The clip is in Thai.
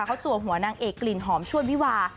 เขาจัวหัวนางเอกกลิ่นหอมชวนวิวา